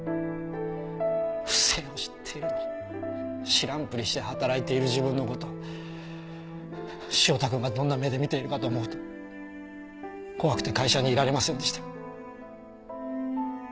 不正を知っているのに知らんぷりして働いている自分の事を汐田君がどんな目で見ているかと思うと怖くて会社にいられませんでした。